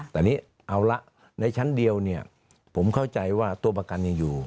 แต่นี่เอาละในชั้นเดียวเนี่ยผมเข้าใจว่าตัวประกันยังอยู่